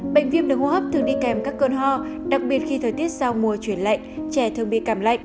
bệnh viêm đường hô hấp thường đi kèm các cơn ho đặc biệt khi thời tiết sau mùa chuyển lạnh trẻ thường bị cảm lạnh